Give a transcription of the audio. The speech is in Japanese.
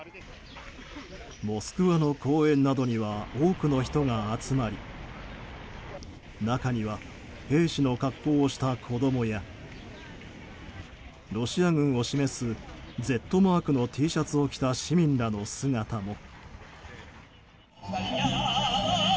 モスクワの公園などには多くの人が集まり中には兵士の格好をした子供やロシア軍を示すＺマークのＴシャツを着た市民らの姿も。